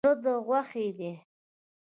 زړه ده غوښی دی